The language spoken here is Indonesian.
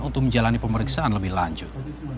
untuk menjalani pemeriksaan lebih lanjut